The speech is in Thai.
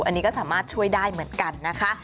อันนี้ก็สามารถช่วยได้เหมือนกันนะคะ